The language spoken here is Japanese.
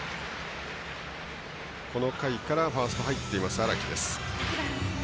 この回からファーストに入っています、荒木。